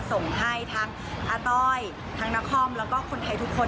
ส่งให้ทั้งอาต้อยทั้งนครแล้วก็คนไทยทุกคน